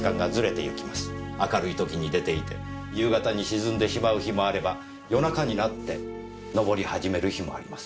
明るい時に出ていて夕方に沈んでしまう日もあれば夜中になって昇り始める日もあります。